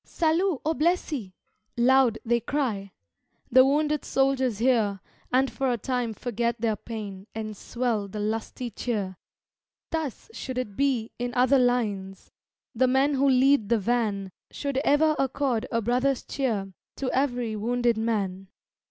"Salut aux Blessis!" loud they cry. The wounded soldiers hear, And for a time forget their pain, And swell the lusty cheer. Thus should it be in other lines; The men who lead the van Should e'er accord a brother's cheer To every wounded man.